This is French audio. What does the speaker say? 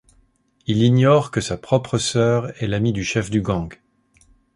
Il ignore que sa propre sœur est l'amie du chef du gang.